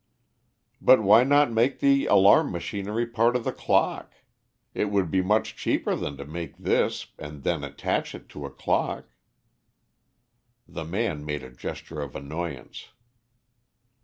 "But why not make the alarm machinery part of the clock? It would be much cheaper than to make this and then attach it to a clock." The man made a gesture of annoyance.